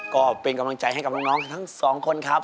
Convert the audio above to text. ก็เป็นกำลังใจให้กับน้องทั้งสองคนครับ